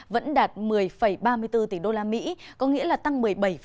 vẫn đạt một mươi ba mươi bốn tỷ usd có nghĩa là tăng một mươi bảy chín mươi tám